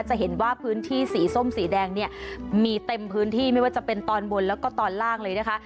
จะเห็นว่าพื้นที่สีส้มสีแดงเนี่ยมีเต็มพื้นที่ไม่ว่าจะเป็นตอนบนแล้วก็ตอนล่างเลยนะคะ